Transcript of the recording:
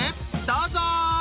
どうぞ！